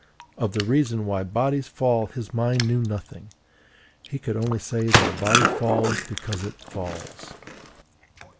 Of the reason why bodies fall his mind knew nothing; he could only say that a body falls because it falls.